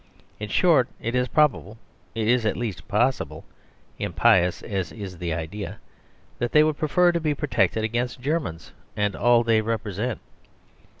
In short, it is probable it is at least possible, impious as is the idea that they would prefer to be protected against Germans and all they represent.